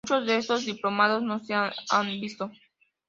Muchos de estos diplomas no se han visto.